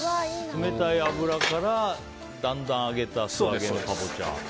冷たい油からだんだん揚げた素揚げのカボチャ。